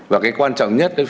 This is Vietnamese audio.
và cái quan trọng nhất